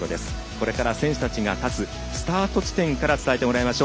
これから選手たちが立つスタート地点から伝えてもらいます。